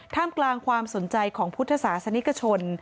ท่ามกลางความสนใจของผู้ทศาสนิทชน